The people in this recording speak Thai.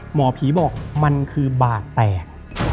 หมอผีบอกมันคือบาดแตก